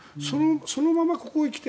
そのままここへ来た。